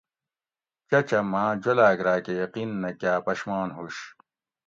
چچ اۤ ماۤں جولاۤگ راۤکہ یقین نہ کاۤ پشمان ہُوش